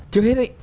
trước hết ấy